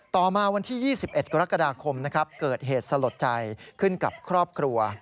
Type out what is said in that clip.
ต่อมาวันที่๒๑กรกฎาคมนะครับเกิดเหตุสลดใจขึ้นกับครอบครัว